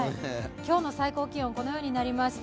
今日の最高気温このようになりました。